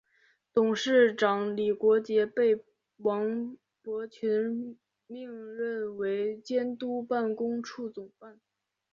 董事长李国杰被王伯群任命为监督办公处总办。